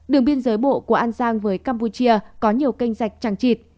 đường biên giới bộ của an giang với campuchia có nhiều kênh dạch trăng trịt